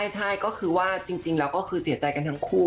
ใช่ก็คือว่าจริงแล้วก็คือเสียใจกันทั้งคู่